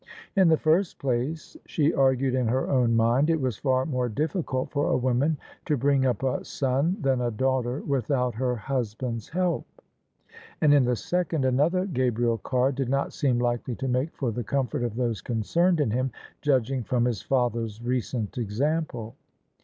In the first place, she argued in her own mind, it was far more difiicult for a woman to bring up a son than a daughter without her husband's help ; and in the second, another Gabriel Carr did not seem likely to make for the comfort of those concerned in him, judging from his father's recent example.